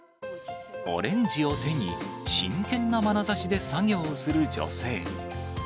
オレンジを手に真剣なまなざしで作業をする女性。